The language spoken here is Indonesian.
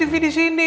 udah ada tv disini